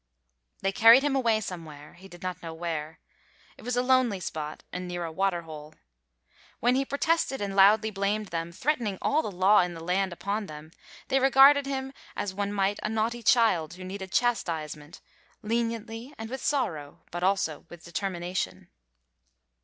They carried him away somewhere, he did not know where; it was a lonely spot and near a water hole. When he protested and loudly blamed them, threatening all the law in the land upon them, they regarded him as one might a naughty child who needed chastisement, leniently and with sorrow, but also with determination.